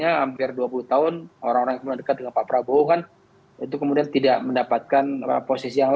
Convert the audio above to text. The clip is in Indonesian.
ya saya kira dulu misalnya hampir dua puluh tahun orang orang yang dekat dengan pak prabowo kan itu kemudian tidak mendapatkan posisi yang lain